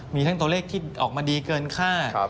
มีทั้งตัวเลขที่ออกมาดีเกินค่า